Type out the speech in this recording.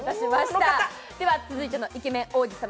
続いてのイケメン王子様